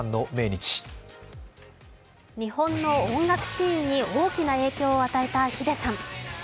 日本の音楽シーンに大きな影響を与えたｈｉｄｅさん。